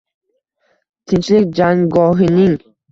Tinchlik janggohining